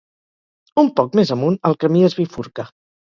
Un poc més amunt, el camí es bifurca.